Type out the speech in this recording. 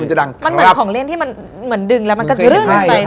มันเหมือนของเล่นที่ดึงและมันก็ดึ้งไปใช่ไหม